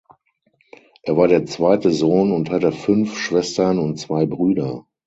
Er war der zweite Sohn und hatte fünf Schwestern und zwei Brüder.